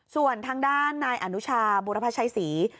ส่วนทางด้านนายอนุชาบุรพชัยศรี